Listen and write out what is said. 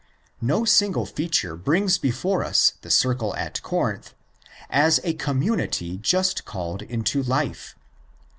No single feature brings before us the circle at Corinth as a community just called into life.